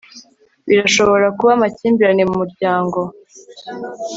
birashobora kuba amakimbirane mumuryango